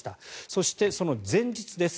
そして、その前日です。